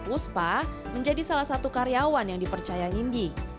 uspa menjadi salah satu karyawan yang dipercaya nindi